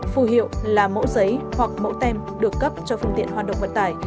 phù hiệu là mẫu giấy hoặc mẫu tem được cấp cho phương tiện hoạt động vận tải